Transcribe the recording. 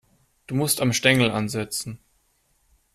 Du musst am Stängel ansetzen.